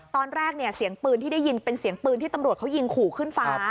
ตอนแรกเนี่ยเสียงปืนที่ได้ยินเป็นเสียงปืนที่ตำรวจเขายิงขู่ขึ้นฟ้า